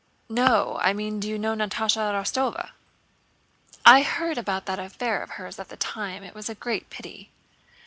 "No; I mean do you know Natásha Rostóva?" "I heard about that affair of hers at the time. It was a great pity."